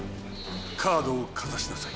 カードをかざしなさい。